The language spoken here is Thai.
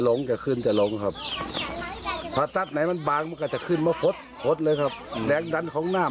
มันจะเป่าแค่แค่ให้มันจุ่มไปได้ครับ